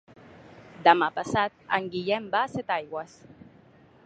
Demà passat en Guillem va a Setaigües.